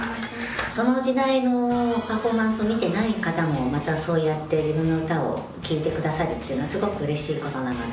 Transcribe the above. その時代のパフォーマンスを見てない方もまたそうやって自分の歌を聴いてくださるっていうのはすごくうれしい事なので。